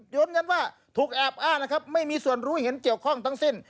ยืนยันว่าถูกแอบอ้างนะครับไม่มีส่วนรู้เห็นเกี่ยวข้องทั้งสิ้น